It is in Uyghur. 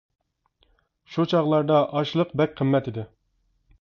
شۇ چاغلاردا ئاشلىق بەك قىممەت ئىدى.